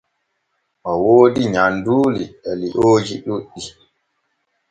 O woodi nyanduuli e liooji ɗuɗɗi.